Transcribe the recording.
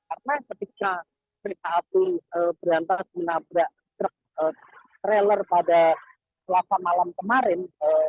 karena ketika truk api berantas menabrak truk trailer pada selasa malam kemarin